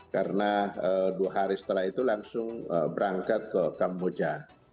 karena dua hari setelah itu langsung berangkat ke kamboja